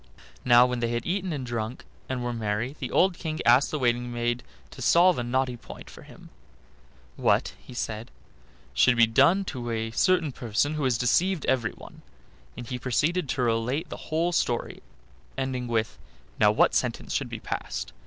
Now when they had eaten and drunk, and were merry, the old King asked the waiting maid to solve a knotty point for him. "What," said he, "should be done to a certain person who has deceived everyone?" and he proceeded to relate the whole story, ending up with, "Now what sentence should be passed?"